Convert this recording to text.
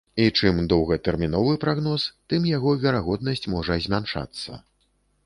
І чым доўгатэрміновы прагноз, тым яго верагоднасць можа змяншацца.